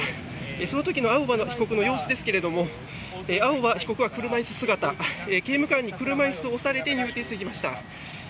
その時の青葉被告の様子ですが青葉被告は車椅子姿刑務官に車椅子を押されて入廷してきました。